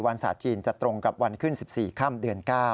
ศาสตร์จีนจะตรงกับวันขึ้น๑๔ค่ำเดือน๙